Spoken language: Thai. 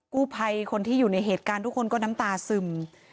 กู้ภัยคนที่อยู่ในเหตุการณ์ทุกคนก็น้ำตาซึม